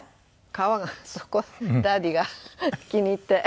川がそこをダディが気に入って。